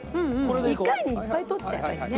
１回にいっぱい取っちゃえばいいね。